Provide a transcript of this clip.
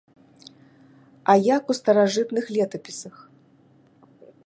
А як у старажытных летапісах.